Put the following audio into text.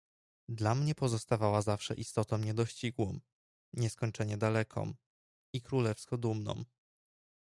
"Dla mnie pozostawała zawsze istotą niedościgłą, nieskończenie daleką, i królewsko dumną."